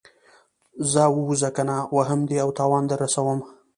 ځه ووځه کنه وهم دې او تاوان در رسوم.